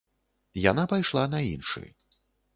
Яна пайшла на іншы.